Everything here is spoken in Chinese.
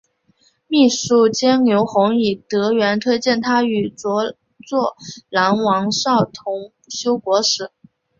秘书监牛弘以德源推荐他与着作郎王邵同修国史。